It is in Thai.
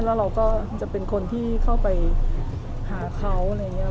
แล้วเราก็จะเป็นคนที่เข้าไปหาเขาอะไรอย่างนี้